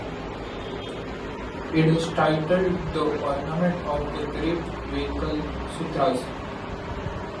It is titled the Ornament of the Great Vehicle Sutras.